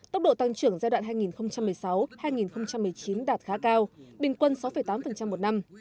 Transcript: tốc độ tăng trưởng giai đoạn hai nghìn một mươi sáu hai nghìn một mươi chín đạt khá cao bình quân sáu tám một năm